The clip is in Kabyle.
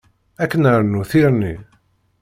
Ad k-nernu tirni.